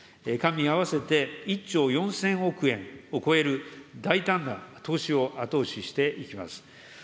官民合わせて１兆４０００億円を超える大胆な投資を後押ししていきます。